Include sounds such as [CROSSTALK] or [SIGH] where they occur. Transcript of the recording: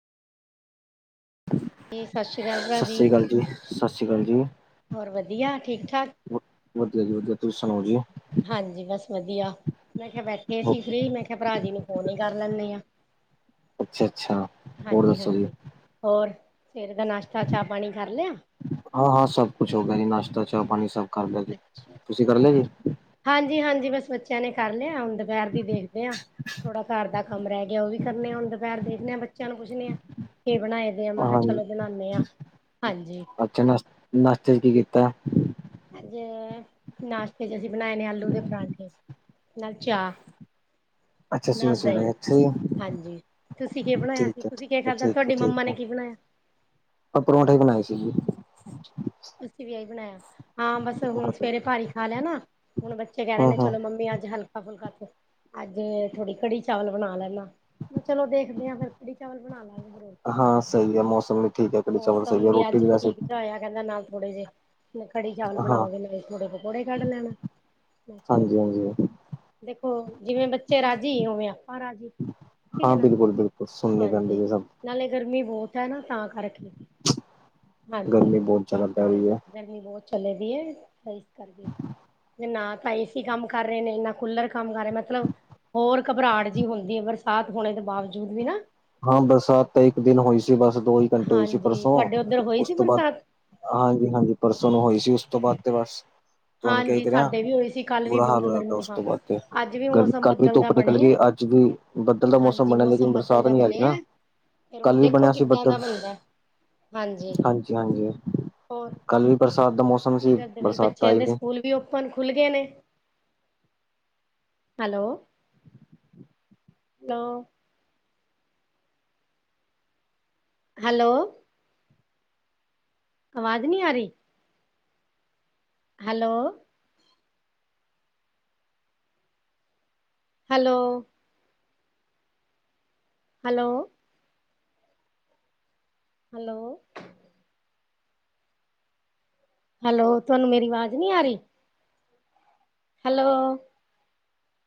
ਜੀ ਸ਼੍ਰੀ ਅਕਾਲ ਭਰਾ ਸਤਿ ਸ੍ਰੀ ਅਕਾਲ ਜੀ, ਸਤਿ ਸ੍ਰੀ ਅਕਾਲ ਜੀ। ਹੋਰ ਵਧੀਆ ਠੀਕ ਠਾਕ ਵਧੀਆ ਜੀ, ਵਧੀਆ ਤੁਸੀਂ ਸੁਣਾਓ ਜੀ? ਹਾਂਜੀ, ਬਸ ਵਧੀਆ ਮੈਂ ਕਿਹਾ ਬੈਠੇ ਸੀ, ਫਰੀ ਮੈਂ ਕਿਹਾ ਭਰਾ ਜੀ ਨੂੰ, ਫੋਨ ਹੀ ਕਰ ਲੈਂਦੇ ਆ। [UNINTELLIGIBLE] ਅੱਛਾ-ਅੱਛਾ, ਹੋਰ ਹਾਂਜੀ ਦੱਸੋ ਜੀ? -ਹਾਂਜੀ ਹੋਰ ਸਵੇਰ ਦਾ ਨਾਸ਼ਤਾ ਚਾ ਪਾਣੀ ਕਰ ਲਿਆ। ਹਾਂ -ਹਾਂ ਸਭ ਕੁਛ ਹੋ ਗਿਆ ਜੀ, ਨਾਸ਼ਤਾ ਚਾਅ ਪਾਣੀ ਸਭ ਕਰ ਲਿਆ ਜੀ, ਤੁਸੀਂ ਕਰ ਲੈ ਜੀ। ਹਾਂਜੀ-ਹਾਂਜੀ, ਬਸ ਬੱਚਿਆਂ ਨੇ ਕਰ ਲਿਆ ਹੁਨ ਦੁਪਹਿਰ ਦੀ ਦੇਖਦੇ ਹਾਂ, ਥੋੜਾ ਘਰ ਦਾ ਕੰਮ ਰਹਿ ਗਿਆ ਉਹ ਵੀ ਕਰਨੇ ਆ, ਹੁਣ ਦੁਪਹਿਰ ਦੇਖਦੇ ਹਾਂ ਬੱਚਿਆਂ ਨੂੰ, ਪੁੱਛਣੇ ਆਾਂ ਕੀ ਬਣਾਏ ਦੇ ਆ, ਮੈਂ ਕਿਹਾ ਹਾਂਜੀ, ਚਲੋ ਬਨਾਨੇ ਆ ਹਾਂ ਹਾਂਜੀ। ਚੰਗਾ ਨਾਸਤੇ ਚ ਕੀ ਕੀਤਾ ਅੱਜ ਨਾਸ਼ਤੇ ਚ, ਅਸੀਂ ਬਣਾਏ ਨੇ ਆਲੂ ਦੇ ਪਰਾਂਠੇ, ਨਾਲ ਚਾਹ ਅੱਛਾ ਨਾਲ ਸਵੇਰੇ-ਸਵੇਰੇ ਦਹੀ, ਅੱਛਾ ਜੀ, ਹਾਂਜੀ ਤੁਸੀਂ ਕਿ ਬਣਾਇਆ ਸੀ ਠੀਕ ਹੈ। ਤੁਸੀਂ ਕਿ ਖਾਧਾ ਠੀਕ ਤੁਹਾਡੀ ਮੰਮਾ ਨੇ ਕੀ ਬਣਾਇਆ? ਆਪਾਂ ਪਰੌਂਠੇ ਬਣਾਏ ਸੀ ਜੀ। ਅੱਛਾ ਅਸੀਂ ਵੀਆਹੀ ਬਣਾਇਆ। ਹਾਂ ਬਸ ਹੁਣ ਸਵੇਰੇ ਭਾਰੀ ਖਾ ਲਿਆ ਨਾ ਹੁਣ ਬੱਚੇ ਕਹਿ ਰਹੇ ਨੇ ਹੂੰ-ਹੂੰ, ਚਲੋ ਮੰਮੀ ਅੱਜ ਹਲਕਾ ਫੁਲਕਾ ਤੇ ਅੱਜ ਥੋੜ੍ਹੀ ਕੜੀ ਚਾਵਲ ਬਣਾ ਲੈਦਾ। ਮੈਂ ਚਲੋ ਦੇਖਦੇ ਹ ਆ ਫਿਰ ਕੜੀ ਚਾਵ ਬਣਾ ਲਾ ਜ ਫਿਰ ਰੋਟੀ ਬਣਾ ਲਣਾ। ਜਾਂ ਮੌਸਮ ਵੀ ਠੀਕ ਹੈ ਕੜੀ ਚਾਵਲ ਸਹੀ ਰੋਟੀ ਅੱਜ ਵੈਸੇ ਠੀਕ ਜਾ ਹੋਇਆ ਕਹਿੰਦਾ ਨਾਲ ਥੋੜ੍ਹੇ ਜਹੇ ਕੜੀ ਚਾਵਲ ਹਾਂ ਬਣਾਗੇ ਨਾਲ ਥੋੜੇ ਪਕੌੜੇ ਕੱਢ ਲੈਣਾ, ਕਿਹਾ ਚਲੋ ਕੋਈ। ਹਾਂਜੀ-ਹਾਂਜੀ, ਦੇਖੋ, ਜਿਵੇਂ ਬੱਚੇ ਰਾਜੀ ਹੋਵੇਂ ਆਪਾਂ ਰਾਜੀ ਠੀਕ ਹੈ ਨਾ। ਕੁਛ ਸੁੁੰਨਨੀ ਕਰਨਢ ਹਾਂਜੀ, ਜ ਸਭ। ਨਾਲੇ ਗਰਮੀ ਬਹੁਤ ਹੈ ਨਾ ਤਾਂ ਕਰਕੇ। ਹਾਂਜੀ। ਗਰਮੀ ਬਹੁਤ ਜ਼ਿਆਦਾ ਪੈ ਰਹੀ ਹਾਂਜੀ ਹੈ। ਗਰਮੀ ਬਹੁਤ ਚਲੇ ਦੀ ਹੈ ਤਾਂ ਇਸ ਕਰਕੇ ਨਾ ਤਾਂ ਏਸੀ ਕੰਮ ਕਰ ਰਹੇ ਨੇ, ਨਾ ਕੂਲਰ ਕੰਮ ਕਰ ਰਹੇ ਮਤਲਬ ਹੋਰ ਘਬਰਾਹਟ ਜਿਹੀ ਹੁੰਦੀ ਹੈ ਬਰਸਾਤ ਹੋਣੇ ਦੇ ਬਾਵਜੂਦ ਵੀ ਨਾ। ਹਾਂ ਬਰਸਾਤ ਤਾਂ ਇੱਕ ਦਿਨ ਹੋਈ ਸੀ ਬਸ ਦੋ ਹੀ ਘੰਟੇ ਹੋਈ ਸੀ ਹਾਂਜੀ ਪਰਸੋਂ, ਤੁਹਾਡੇ ਉੱਧਰ ਹੋਈ ਉਸ ਸੀ ਤੋਂ ਬਾਅਦ ਬਰਸਾਤ ਹਾਂਜੀ -ਹਾਂਜੀ ਪਰਸੋਂ ਨੂੰ ਹੋਈ ਸੀ ਉਸ ਤੋਂ ਬਾਅਦ ਤੇ ਬਸ ਚਣ ਕੇ ਹਾਂਜੀ ਕਰ ਗਿਆ ਸਾਡੇ ਵੀ ਹੋਈ ਸੀ ਕੱਲ ਵੀ ਬੁਰਾ ਹਾਲ ਬਹੁਤ ਹੋਇਆ ਪਿਆ ਗਰਮੀ ਉਸ ਹਾਂ ਤੋਂ ਬਾਅਦ ਤੇ ਅੱਜ ਵੀ ਗਰਮੀ ਮੌਸਮ ਕੱਲ ਵੀ ਬੱਦਲ ਦਾ ਧੁੱਪ ਨਿਕਲ ਬਣੇ ਆ ਗਈ ਅੱਜ ਵੀ ਬੱਦਲ ਦਾ ਮ ਮੌਸਮ ਬਣਿਆ ਲਕਨ ਬਰਸਾਤ ਕਿੱਦਲ ਦਾ ਨਹੀਂ ਆ ਰਹੀ ਬਣਿਆ ਨਾ ਫਿਰ ਹੁਣ ਕੱਲ੍ਹ ਵੀ ਦੇਖੋ ਬਣਿਆ ਸੀ ਕਿੱਦਾਂ ਦਾ ਬੱਦਲ ਬਣਦਾ। ਹਾਂਜੀ, ਹੋਰ? ਕੱਲ ਵੀ ਬਰਸਾਤ ਦਾ ਮੌਸਮ ਸੀ, ਬਰਸਾਤ ਤਾਂ ਆਈ ਹੋ। ਪਨ ਖੁੱਲ੍ਹ ਗਏ ਨੇ। Hello -hello. ਹੈਲੋ। ਆਵਾਜ਼ ਨਹੀਂ ਆ ਰਹੀ? Hello. Hello. Hello. Hello. Hello, ਤੁਹਾਨੂੰ ਮੇਰੀ ਆਵਾਜ਼ ਨਹੀਂ ਆ ਰਹੀ? ਹੈਲੋ।